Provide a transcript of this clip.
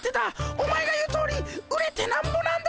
お前が言うとおり売れてなんぼなんだ。